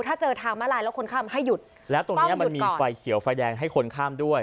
ถ้าเจอทางมาลายแล้วคนข้ามให้หยุดแล้วตรงเนี้ยมันมีไฟเขียวไฟแดงให้คนข้ามด้วย